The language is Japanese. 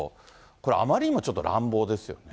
これ、あまりにもちょっと乱暴ですよね。